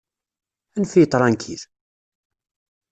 Anef-iyi ṭṛankil!